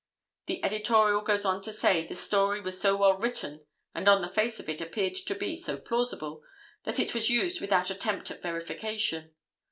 The editorial goes on to say the story was so well written and on the face of it appeared to be so plausible, that it was used without attempt at verification.